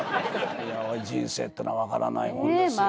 人生ってのは分からないもんですよね。